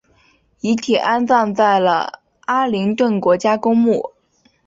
遗体安葬在了阿灵顿国家公墓